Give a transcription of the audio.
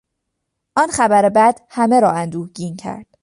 آن خبر بد همه را اندوهگین کرد.